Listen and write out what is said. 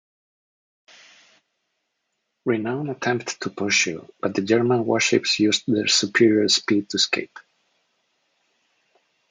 "Renown" attempted to pursue, but the German warships used their superior speed to escape.